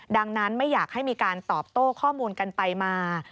ดังนั้นไม่อยากให้มีการตอบโต้ข้อมูลกันไปมา